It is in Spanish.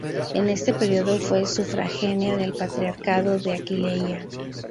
En este periodo fue sufragánea del patriarcado de Aquileia.